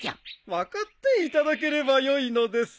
分かっていただければよいのです。